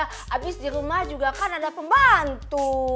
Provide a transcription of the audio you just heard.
habis di rumah juga kan ada pembantu